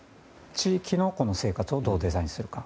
地域の生活をどうデザインするか。